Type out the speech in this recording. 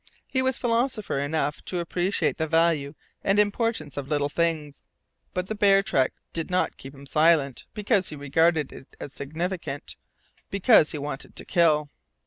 He was philosopher enough to appreciate the value and importance of little things, but the bear track did not keep him silent because he regarded it as significant, because he wanted to kill.